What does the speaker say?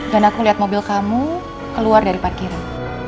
dan aku liat mobil kamu keluar dari parkiran